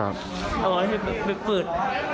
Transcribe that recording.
เอาไว้ให้ไปเปิด